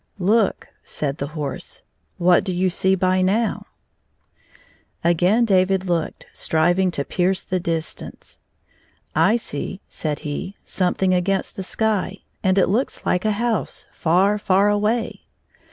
" Look," said the horse, " what do you see by now 1 " 136 Again David looked, striving to pierce the dis tance. " I see," said he, " something against the sky, and it looks like a house, far, far away."